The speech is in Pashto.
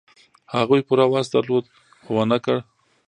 هغوی پوره وس درلود، خو و نه کړ.